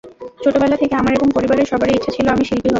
ছোটবেলা থেকে আমার এবং পরিবারের সবারই ইচ্ছে ছিল আমি শিল্পী হব।